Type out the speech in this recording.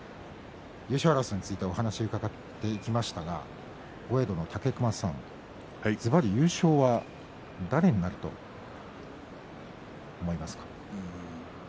優勝争いについてお話を伺っていきましたが豪栄道の武隈さん、ずばり優勝は誰になると思いますか？